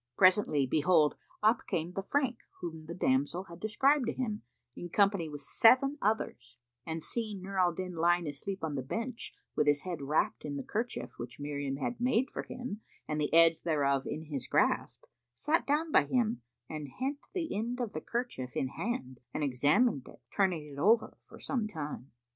Presently, behold, up came the Frank whom the damsel had described to him, in company with seven others, and seeing Nur al Din lying asleep on the bench, with his head wrapped in the kerchief which Miriam had made for him and the edge thereof in his grasp, sat down by him and hent the end of the kerchief in hand and examined it, turning it over for some time.